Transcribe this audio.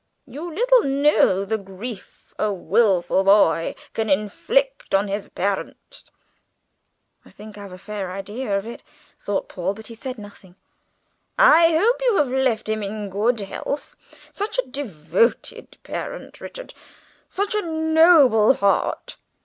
You little know the grief a wilful boy can inflict on his parent." "I think I have a very fair idea of it," thought Paul, but he said nothing. "I hope you left him in good health? Such a devoted parent, Richard such a noble heart!"